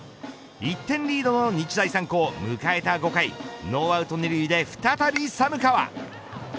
１点リードの日大三高迎えた５回ノーアウト２塁で再び寒川。